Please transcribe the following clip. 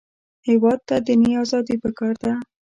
هېواد ته دیني ازادي پکار ده